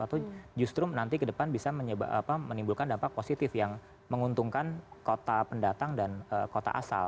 atau justru nanti ke depan bisa menimbulkan dampak positif yang menguntungkan kota pendatang dan kota asal